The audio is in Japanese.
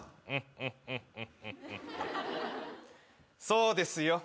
そうですよ。